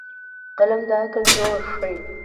قلم د عقل زور ښيي